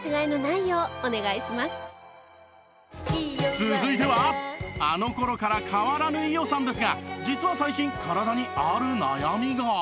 続いてはあの頃から変わらぬ伊代さんですが実は最近体にある悩みが